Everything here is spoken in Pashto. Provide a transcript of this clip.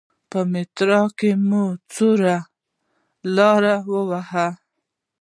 په میترو کې مو څه لاره و وهله.